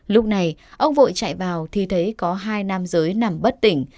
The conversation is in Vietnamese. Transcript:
lúc này ông vội chạy vào thì thấy có hai nam giới nằm bất tỉnh